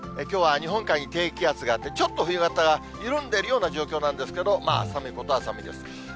きょうは日本海に低気圧があって、ちょっと冬型が緩んでいるような状況なんですけど、寒いことは寒いです。